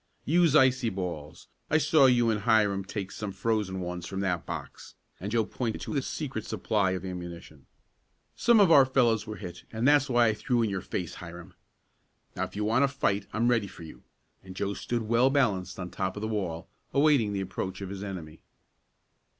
"Use icy balls. I saw you and Hiram take some frozen ones from that box," and Joe pointed to the secret supply of ammunition. "Some of our fellows were hit and that's why I threw in your face, Hiram. Now, if you want to fight I'm ready for you," and Joe stood well balanced on top of the wall, awaiting the approach of his enemy.